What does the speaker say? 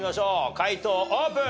解答オープン！